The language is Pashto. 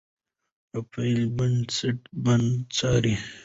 رافایل بیټانس بند څاري.